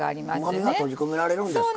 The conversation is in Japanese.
はうまみが閉じ込められるんですか。